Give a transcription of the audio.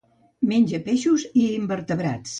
Menja peixos i invertebrats.